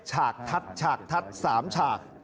ฉากทัดฉากทัด๓ฉาก